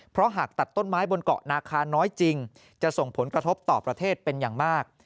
เพราะหากตัดต้นไม้บนเกาะนาคาน้อยจริงจะส่งผลกระทบต่อประเทศเป็นอย่างมาก